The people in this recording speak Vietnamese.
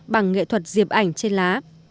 bằng nghệ thuật diệp ảnh trên lá